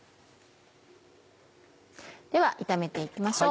では炒めて行きましょう